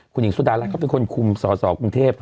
คุณหญิงสุดารัฐเขาเป็นคนคุมสอสอกรุงเทพ